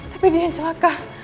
tapi dia yang celaka